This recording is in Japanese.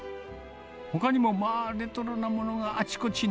ほかにも、まあレトロなものがあちこちに。